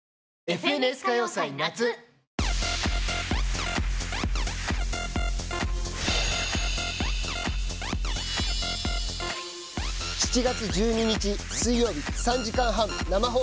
『ＦＮＳ歌謡祭夏』７月１２日水曜日３時間半生放送。